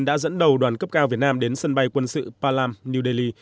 đã dẫn đầu đoàn cấp cao việt nam đến sân bay quân sự palam new delhi